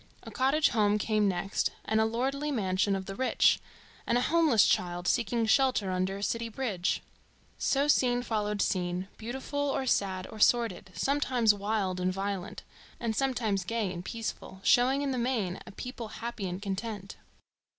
A cottage home came next, and a lordly mansion of the rich, and a homeless child seeking shelter under a city bridge. So scene followed scene, beautiful, or sad, or sordid, sometimes wild and violent, and sometimes gay and peaceful, showing in the main a people happy and content.